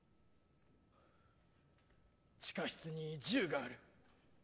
地下室に銃がある。